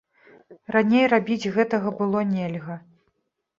Раней рабіць гэтага было нельга.